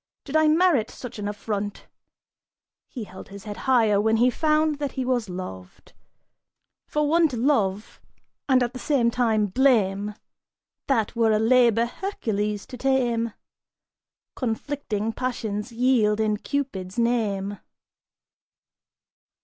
Did I merit such an affront'?" He held his head higher when he found that he was loved. For one to love, and at the same time, blame, That were a labor Hercules to tame! Conflicting passions yield in Cupid's name.